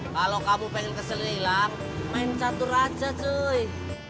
kalau kamu pengen kesel dan hilang main catur aja cuy